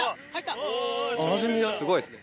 ・すごいですね・